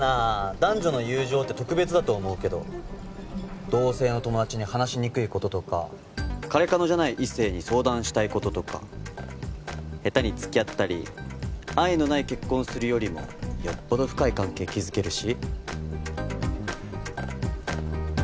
男女の友情って特別だと思うけど同性の友達に話しにくいこととかカレカノじゃない異性に相談したいこととかヘタにつきあったり愛のない結婚するよりもよっぽど深い関係築けるし？